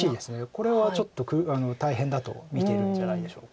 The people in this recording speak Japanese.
これはちょっと大変だと見てるんじゃないでしょうか。